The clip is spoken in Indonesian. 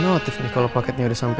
gimana tiff nih kalau paketnya udah sampe